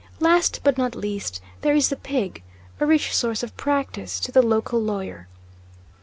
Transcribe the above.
Last, but not least, there is the pig a rich source of practice to the local lawyer.